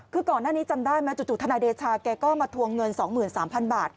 คือก่อนหน้านี้จำได้ไหมจู่ทนายเดชาแกก็มาทวงเงิน๒๓๐๐๐บาท